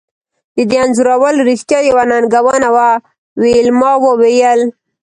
د دې انځورول رښتیا یوه ننګونه وه ویلما وویل